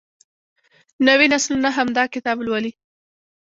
نوې نسلونه هم دا کتاب لولي.